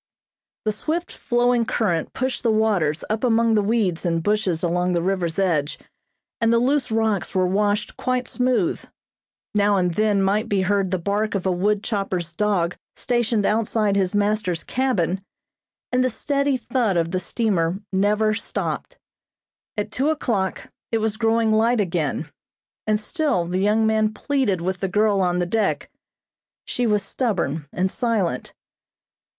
The swift flowing current pushed the waters up among the weeds and bushes along the river's edge and the loose rocks were washed quite smooth. Now and then might be heard the bark of a wood chopper's dog stationed outside his master's cabin, and the steady thud of the steamer never stopped. At two o'clock it was growing light again, and still the young man pleaded with the girl on the deck. She was stubborn and silent.